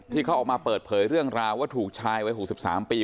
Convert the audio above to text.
ที่เขาออกมาเปิดเผยเรื่องราวว่าถูกชายวัย๖๓ปี